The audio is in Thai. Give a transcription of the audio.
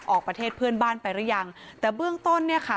ประเทศเพื่อนบ้านไปหรือยังแต่เบื้องต้นเนี่ยค่ะ